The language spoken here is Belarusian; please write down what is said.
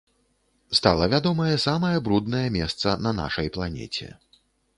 Стала вядомае самае бруднае месца на нашай планеце.